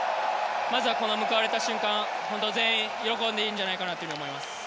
まずはこの報われた瞬間全員、喜んでいいんじゃないかなと思います。